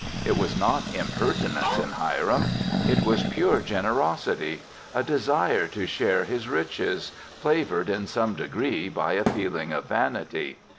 It was not impertinence in Hiram; it was pure generosity a desire to share his riches, flavored, in some degree, by a feeling of vanity.